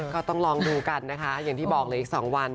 ก็ต้องลองดูกันนะคะอย่างที่บอกเลยอีก๒วัน